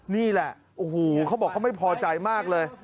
นี่แหละโอ้โหเขาบอกเขาไม่พอใจมากเลย